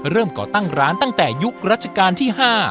ก่อตั้งร้านตั้งแต่ยุครัชกาลที่๕